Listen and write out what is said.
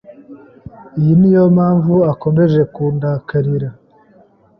Iyi niyo mpamvu akomeje kundakarira.